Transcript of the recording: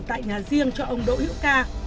tại nhà riêng cho ông đỗ hữu ca